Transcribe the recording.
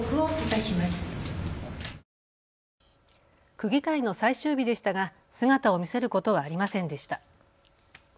区議会の最終日でしたが姿を見せることはありませんでした。